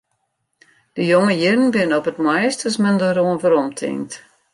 De jonge jierren binne op it moaist as men deroan weromtinkt.